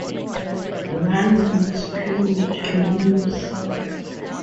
One mosque which remains.